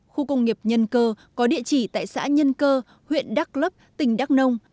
khu công nghiệp nhân cơ có địa chỉ tại xã nhân cơ huyện đắc lấp tỉnh đắc nông